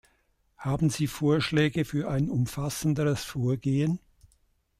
Haben Sie Vorschläge für ein umfassenderes Vorgehen?